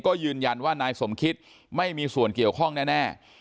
ก็ยืนยันว่านายสมคิตไม่มีส่วนเกี่ยวข้องแน่